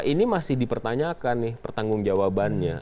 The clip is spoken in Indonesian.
ini masih dipertanyakan nih pertanggung jawabannya